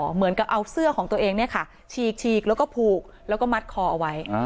เหมือนกับเอาเสื้อของตัวเองฉีกแล้วก็ผูกแล้วก็มัดคอเอาไว้